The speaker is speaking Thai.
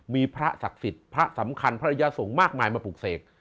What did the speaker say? มีพระศักดิ์สิทธิ์พระสำคัญภรรยาสงฆ์มากมายมาปลูกเสก